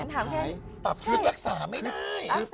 ตับซึ่งรักษาไม่ได้